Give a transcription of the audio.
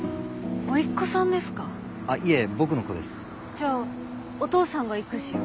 じゃあお父さんが育児を？